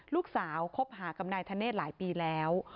คบหากับนายธเนธหลายปีแล้ว